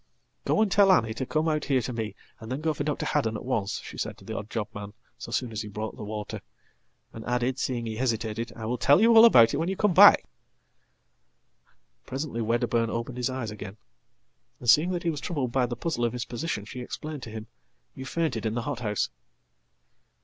"Go and tell Annie to come out here to me, and then go for Dr. Haddon atonce," she said to the odd job man so soon as he brought the water; andadded, seeing he hesitated, "I will tell you all about it when you comeback."Presently Wedderburn opened his eyes again, and, seeing that he wastroubled by the puzzle of his position, she explained to him, "You faintedin the hothouse.""